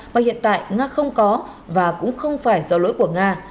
và hiện tại nga không có và cũng không phải do lỗi của nga